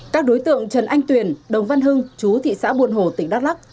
các đối tượng trần anh tuyển đồng văn hưng chú thị xã buồn hồ tỉnh đắk lắk